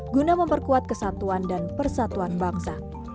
guna memperkuat kesatuan dan persatuan bangsa